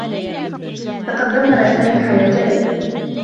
لقد دمّر سامي حياة ليلى.